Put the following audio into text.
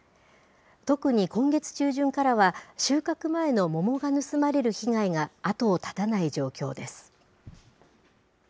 特に今月中旬からは、収穫前の桃が盗まれる被害が後を絶たない状況です。